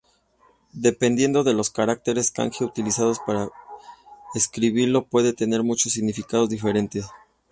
Dependiendo de los caracteres Kanji utilizados para escribirlo puede tener muchos significados diferentes.